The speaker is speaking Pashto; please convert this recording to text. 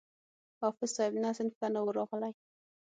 حافظ صاحب نه صنف ته نه وو راغلى.